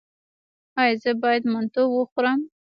ایا زه باید منتو وخورم؟